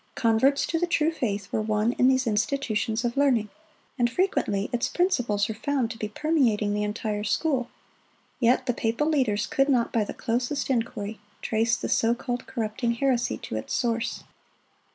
Converts to the true faith were won in these institutions of learning, and frequently its principles were found to be permeating the entire school; yet the papal leaders could not, by the closest inquiry, trace the so called corrupting heresy to its source.